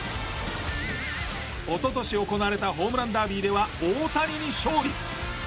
おととし行われたホームランダービーでは大谷に勝利。